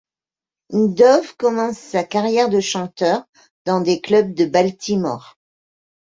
Dove commence sa carrière de chanteur dans des clubs de Baltimore.